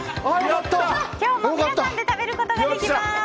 今日も皆さんで食べることができます。